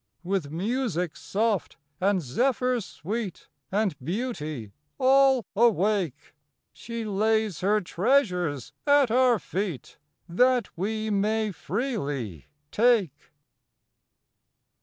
With music soft and zephyrs sweet, And beauty all awake, She lays her treasures at our feet That we may freely take.